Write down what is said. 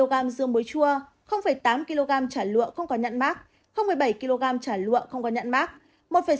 một mươi năm kg dưa muối chua tám kg chả lụa không có nhạn mát bảy kg chả lụa không có nhạn mát